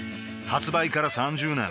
発売から３０年